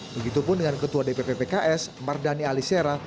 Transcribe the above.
begitupun dengan ketua dpp pks mardani alisera